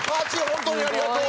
本当にありがとう。